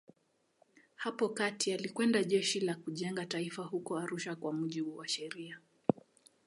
Hapo kati alikwenda Jeshi la Kujenga Taifa huko Arusha kwa mujibu wa sheria.